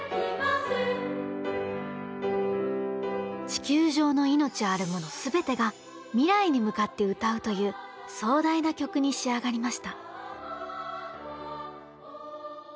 地球上の命あるもの全てが未来に向かって歌うという壮大な曲に仕上がりました。